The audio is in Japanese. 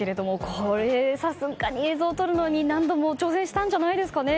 これは、さすがに映像を撮るのに、何度も挑戦したんじゃないですかね。